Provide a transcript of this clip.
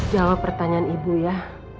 jawab pertanyaan ibu ya